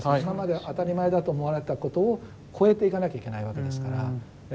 今まで当たり前だと思われたことを超えていかなきゃいけないわけですから。